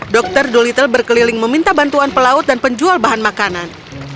dokter dolittle berkeliling meminta bantuan pelaut dan penjual bahan makanan